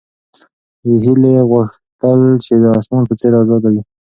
هیلې غوښتل چې د اسمان په څېر ازاده وي.